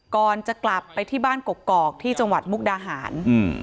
ก่อนจะกลับไปที่บ้านกกอกที่จังหวัดมุกดาหาร